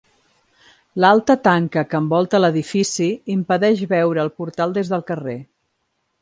L'alta tanca que envolta l'edifici impedeix veure el portal des del carrer.